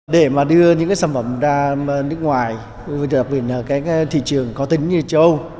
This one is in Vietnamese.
để mà đưa những cái sản phẩm ra nước ngoài đặc biệt là các thị trường có tính như châu âu